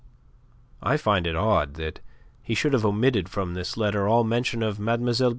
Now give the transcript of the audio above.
I find it odd that he should have omitted from this letter all mention of Mlle.